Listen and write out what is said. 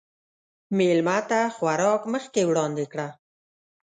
مېلمه ته خوراک مخکې وړاندې کړه.